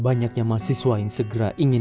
banyaknya mahasiswa yang segera ingin